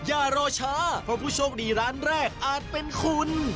อย่ารอช้าเพราะผู้โชคดีร้านแรกอาจเป็นคุณ